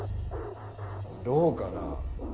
どうかな？